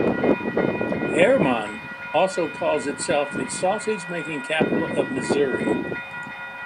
Hermann also calls itself the sausage-making capital of Missouri.